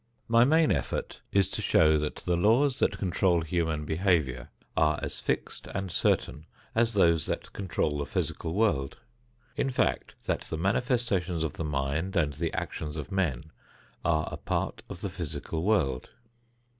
My main effort is to show that the laws that control human behavior are as fixed and certain as those that control the physical world. In fact, that the manifestations of the mind and the actions of men are a part of the physical world.